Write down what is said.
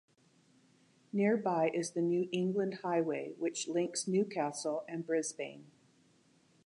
Nearby is the New England Highway which links Newcastle and Brisbane.